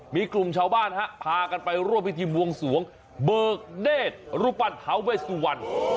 มีกลุ่มชาวบ้านฮะพากันไปร่วมพิธีบวงสวงเบิกเนธรูปปั้นท้าเวสวัน